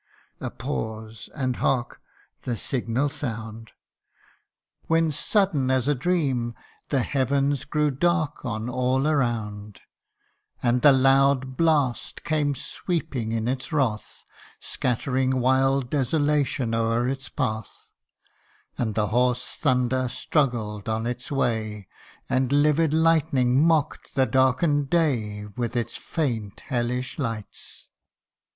A pause, and hark ! The signal sound ! When sudden as a dream, the heavens grew dark On all around : And the loud blast came sweeping in its wrath, Scattering wide desolation o'er its path : And the hoarse thunder struggled on its way ; And livid lightning mock'd the darken'd day With its faint hellish lights.